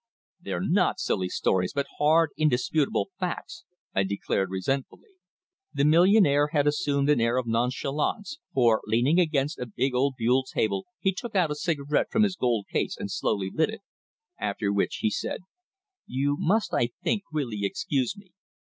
"They're not silly stories, but hard, indisputable facts!" I declared resentfully. The millionaire had assumed an air of nonchalance, for leaning against a big old buhl table he took out a cigarette from his gold case and slowly lit it, after which he said: "You must, I think, really excuse me.